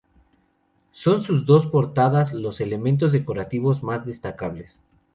Son sus dos portadas, los elementos decorativos más destacables.